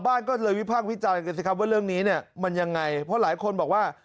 ออกดอกซักครั้งเลยอืมหกสิบหกเกิดมาหกสิบหกปีแล้วเห็นต้นนี้ตอนไหนครับ